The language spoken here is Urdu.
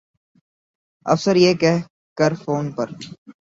افسر یہ کہہ کر فون پر